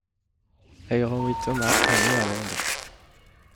Aeronwy Thomas est née à Londres.